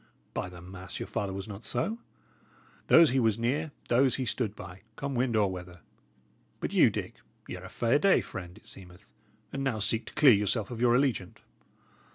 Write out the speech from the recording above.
By the mass, your father was not so! Those he was near, those he stood by, come wind or weather. But you, Dick, y' are a fair day friend, it seemeth, and now seek to clear yourself of your allegiance."